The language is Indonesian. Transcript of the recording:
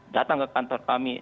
datang ke kantor kami